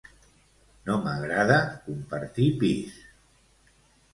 No m'agrada compartir pis